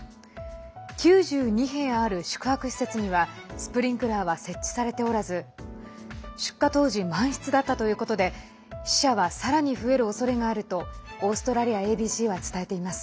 ９２部屋ある宿泊施設にはスプリンクラーは設置されておらず出火当時満室だったということで死者はさらに増えるおそれがあるとオーストラリアＡＢＣは伝えています。